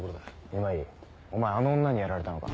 今井お前あの女にやられたのか。